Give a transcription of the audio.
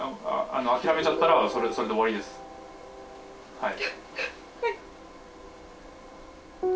はい。